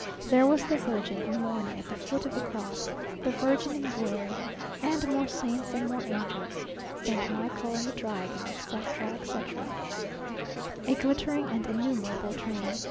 There was the Virgin in mourning at the foot of the cross the Virgin in glory and more saints and more angels St. Michael and the dragon, etc., etc., a glittering and innumerable train.